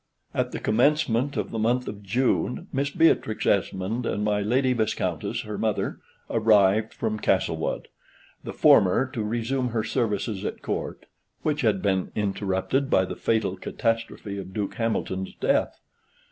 At the commencement of the month of June, Miss Beatrix Esmond, and my Lady Viscountess, her mother, arrived from Castlewood; the former to resume her services at Court, which had been interrupted by the fatal catastrophe of Duke Hamilton's death.